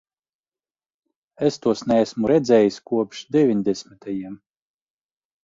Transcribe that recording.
Es tos neesmu redzējis kopš deviņdesmitajiem.